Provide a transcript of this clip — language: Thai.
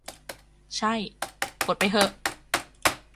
ใช่ กดไปเหอะ